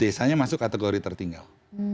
desanya masuk kategori tertinggal